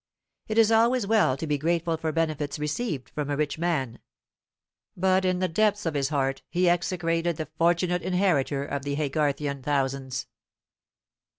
It is always well to be grateful for benefits received from a rich man; but in the depths of his heart he execrated the fortunate inheritor of the Haygarthian thousands.